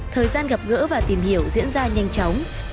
thời gian gặp gỡ và tìm hiểu diễn ra nhanh chóng